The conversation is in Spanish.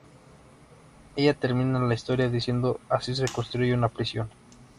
Ella termina la historia diciendo "Así se construye una prisión.